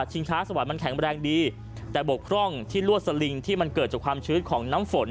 ช้าสวรรค์มันแข็งแรงดีแต่บกพร่องที่ลวดสลิงที่มันเกิดจากความชื้นของน้ำฝน